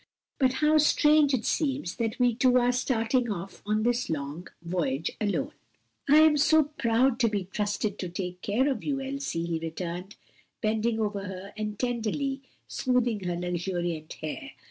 "But how strange it seems that we two are starting off on this long voyage alone!" "I'm so proud to be trusted to take care of you, Elsie," he returned, bending over her and tenderly smoothing her luxuriant hair.